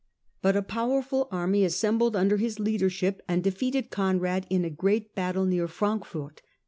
But a powerful army assembled under his leadership and de ^ feated Conrad in a great battle near Frankfort.